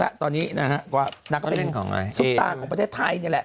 แต่ตอนนี้แล้วนักสุตาข์ของประเทศไทยนี่แหละ